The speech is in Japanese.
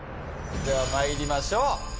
ではまいりましょう。